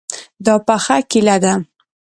دا پخه کیله ده